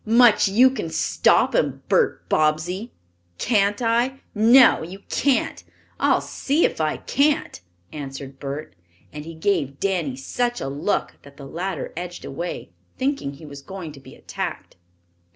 "Much you can stop 'em, Bert Bobbsey." "Can't I?" "No, you can't." "I'll see if I can't," answered Bert, and he gave Danny such a look that the latter edged away, thinking he was going to be attacked.